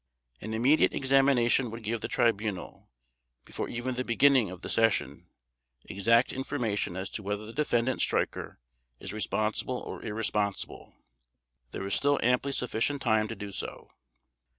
An immediate examination would give the Tribunal, before even the beginning of the session, exact information as to whether the Defendant Streicher is responsible or irresponsible. There is still amply sufficient time to do so.